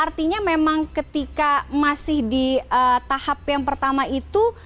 artinya memang ketika masih di tahap yang pertama itu